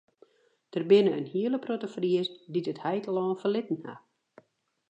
Der binne in hiele protte Friezen dy't it heitelân ferlitten ha.